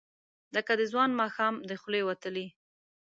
لکه د ځوان ماښام، د خولې وتلې،